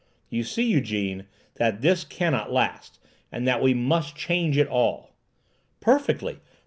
You see, Ygène, that this cannot last, and that we must change it all." "Perfectly!